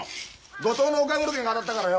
５等のお買い物券が当たったからよ